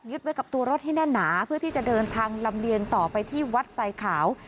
ไว้กับตัวรถให้แน่นหนาเพื่อที่จะเดินทางลำเลียงต่อไปที่วัดไซขาว